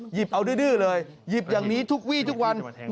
หยิบเอาดื้อเลยหยิบอย่างนี้ทุกวี่ทุกวัน